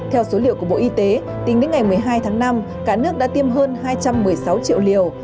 theo số liệu của bộ y tế tính đến ngày một mươi hai tháng năm cả nước đã tiêm hơn hai trăm một mươi sáu triệu liều